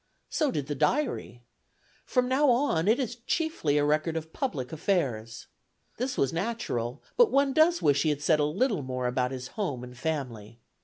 So did the diary! From now on it is chiefly a record of public affairs. This was natural, but one does wish he had said a little more about his home and family.